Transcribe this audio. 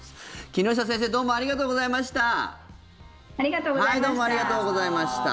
木下先生どうもありがとうございました。